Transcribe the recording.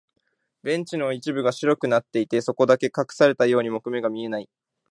ベンチの一部が白くなっていて、そこだけ隠されたように木目が見えない。